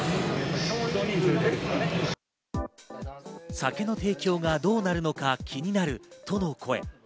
酒の提供がどうなるのか気になるとの声。